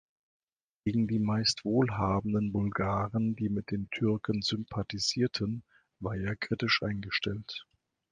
Gegen die meist wohlhabenden Bulgaren, die mit den Türken sympathisierten, war er kritisch eingestellt.